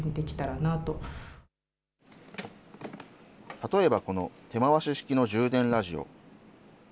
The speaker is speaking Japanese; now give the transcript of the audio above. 例えばこの手回し式の充電ラジオ。